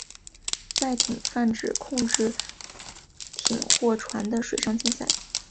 赛艇泛指控制艇或船的水上竞赛。